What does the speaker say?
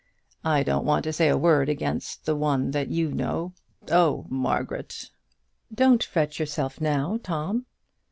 I don't want to say a word against the one that you know. Oh, Margaret!" "Don't fret yourself now, Tom."